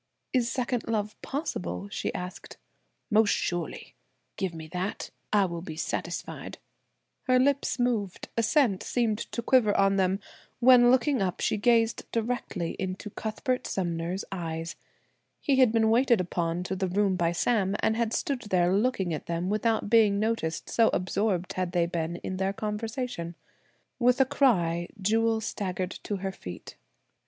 "Is second love possible?" she asked. "Most surely. Give me that; I will be satisfied." Her lips moved; assent seemed to quiver on them, when looking up, she gazed directly into Cuthbert Sumner's eyes. He had been waited upon to the room by Sam, and had stood there looking at them without being noticed so absorbed had they been in their conversation. With a cry Jewel staggered to her feet.